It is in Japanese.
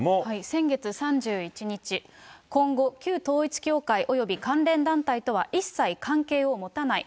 先月３１日、今後、旧統一教会および関連団体とは一切関係を持たない。